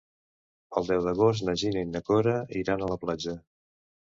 El deu d'agost na Gina i na Cora iran a la platja.